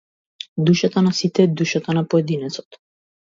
Душата на сите е душата на поединецот.